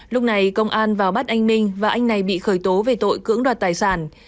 lúc này công an vào bắt anh ninh và anh này bị khởi tố về tội cưỡng đoạt tài sản